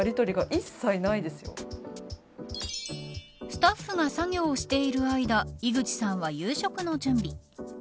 スタッフが作業をしている間井口さんは夕食の準備。